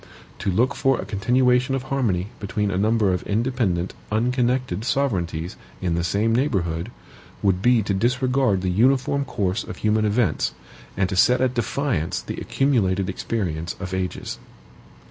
To look for a continuation of harmony between a number of independent, unconnected sovereignties in the same neighborhood, would be to disregard the uniform course of human events, and to set at defiance the accumulated experience of ages.